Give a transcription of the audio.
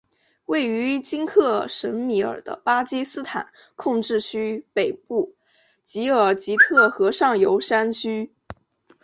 位于今克什米尔的巴基斯坦控制区北部吉尔吉特河上游山区。